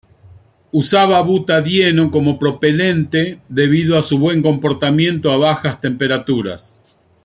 Usaba butadieno como propelente debido a su buen comportamiento a bajas temperaturas.